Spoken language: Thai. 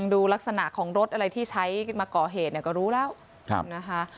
ดูลักษณะของรถอะไรที่ใช้มาก่อเหตุเนี่ยก็รู้แล้วนะคะ